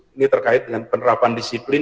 ini terkait dengan penerapan disiplin